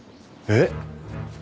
えっ？